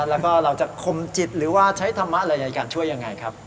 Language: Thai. แล้วก็เราจะคมจิตหรือว่าใช้ธรรมะอะไรในการช่วยยังไงครับ